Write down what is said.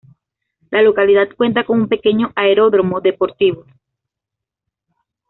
La localidad cuenta con un pequeño aeródromo deportivo.